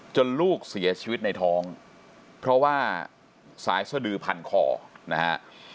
ลูกเสียชีวิตในท้องเพราะว่าสายสดือพันคอนะฮะ